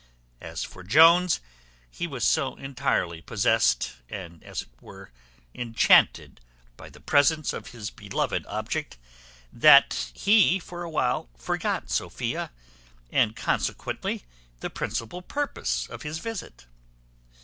As for Jones, he was so entirely possessed, and as it were enchanted, by the presence of his beloved object, that he for a while forgot Sophia, and consequently the principal purpose of his visit.